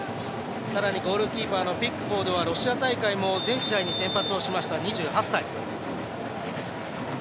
さらにゴールキーパーのピックフォードはロシア大会も全試合に先発をしました、２８歳。